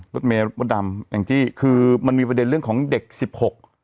รถเมย์มดดำแองจี้คือมันมีประเด็นเรื่องของเด็กสิบหก